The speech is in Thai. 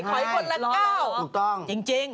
ไม่ก็๑กรันละเก้าถูกต้องเห็นจริง